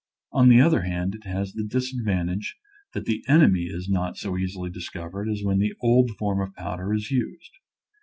On the other hand, it has the disadvantage that the enemy is not so easily discovered as when the old form of powder is used.